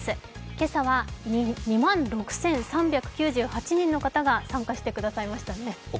今朝は２万６３９８人の方が参加してくださいましたね。